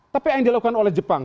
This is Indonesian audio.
tapi yang dilakukan oleh jepang